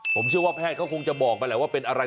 ผมเชื่อว่าแพทย์เขาคงจะบอกมาแหละว่าเป็นอะไร